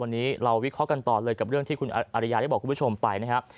วันนี้เราวิเคราะห์กันต่อเลยกับเรื่องที่คุณอริยาได้บอกคุณผู้ชมไปนะครับ